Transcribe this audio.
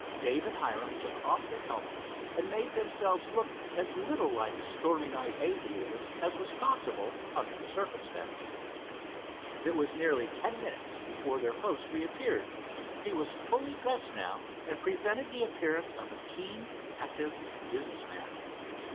Dave and Hiram took off their helmets, and made themselves look as little like stormy night aviators as was possible under the circumstances. It was nearly ten minutes before their host reappeared. He was fully dressed now, and presented the appearance of a keen, active business man.